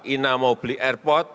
ina mau beli airport